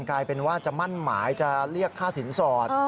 กลายเป็นว่าจะมั่นหมายจะเรียกค่าสินสอด